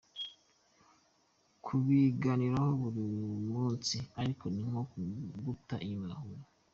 tubiganiraho buri munsi ariko ninko guta Inyuma ya Huye.